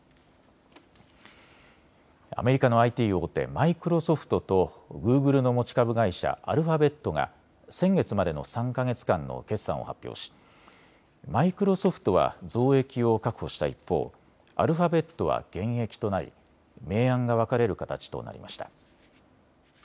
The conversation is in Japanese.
アメリカのＩＴ大手、マイクロソフトとグーグルの持ち株会社、アルファベットが先月までの３か月間の決算を発表し、マイクロソフトは増益を確保した一方、アルファベットは減益となり明暗が分かれる形となりました。